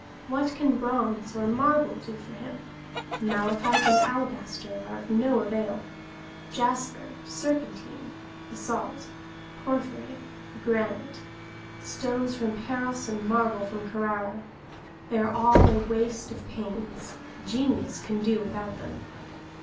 What can bronze or marble do for him? Malachite and alabaster are of no avail; jasper, serpentine, basalt, porphyry, granite: stones from Paros and marble from Carrara they are all a waste of pains: genius can do without them.